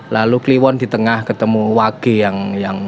lalu kliwon di tengah ketemu wage yang